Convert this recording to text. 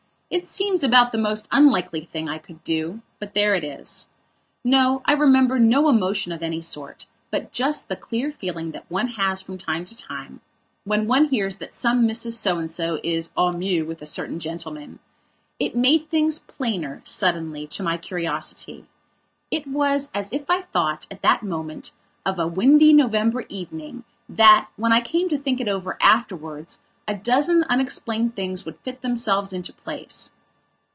It seems about the most unlikely thing I could do; but there it is. No, I remember no emotion of any sort, but just the clear feeling that one has from time to time when one hears that some Mrs So and So is au mieux with a certain gentleman. It made things plainer, suddenly, to my curiosity. It was as if I thought, at that moment, of a windy November evening, that, when I came to think it over afterwards, a dozen unexplained things would fit themselves into place.